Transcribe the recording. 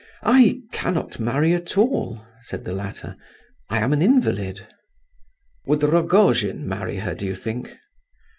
"I cannot marry at all," said the latter. "I am an invalid." "Would Rogojin marry her, do you think?"